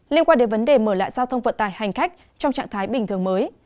liên quan đến vấn đề mở lại giao thông vận tải hành khách trong trạng thái bình thường mới